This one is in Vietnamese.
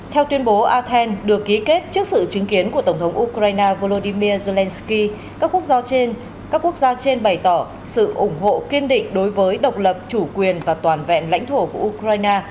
theo tuyên bố athens được ký kết trước sự chứng kiến của tổng thống ukraine volodymyr zelensky các quốc gia trên các quốc gia trên bày tỏ sự ủng hộ kiên định đối với độc lập chủ quyền và toàn vẹn lãnh thổ của ukraine